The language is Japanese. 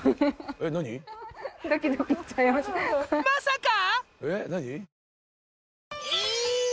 ［まさか！？］